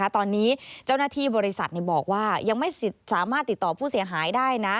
ตอนนี้เจ้าหน้าที่บริษัทบอกว่ายังไม่สามารถติดต่อผู้เสียหายได้นะ